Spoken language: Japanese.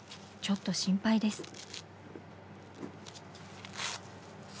ちょっと心配です。